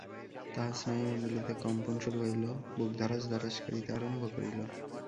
তাহার স্নায়ুমণ্ডলীতে কম্পন শুরু হইল, বুক ধড়াস ধড়াস করিতে আরম্ভ করিল।